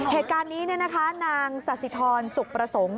เหตุการณ์นี้นางสาธิธรสุขประสงค์